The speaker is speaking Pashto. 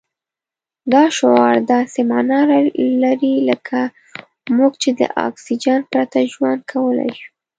دا شعار داسې مانا لري لکه موږ چې له اکسجن پرته ژوند کولای شو.